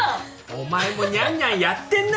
お前もニャンニャンやってんな